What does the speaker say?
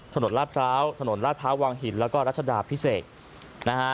ถนนราชพร้าวถนนราชพร้าววางหินแล้วก็รัฐธรรมพิเศษนะฮะ